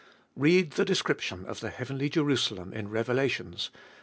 Read the description of the heavenly Jerusalem in Revelations (xxi.